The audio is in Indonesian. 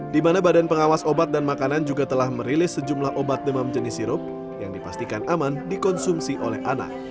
di mana badan pengawas obat dan makanan juga telah merilis sejumlah obat demam jenis sirup yang dipastikan aman dikonsumsi oleh anak